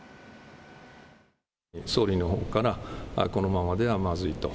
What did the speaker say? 総理のほうから、このままではまずいと。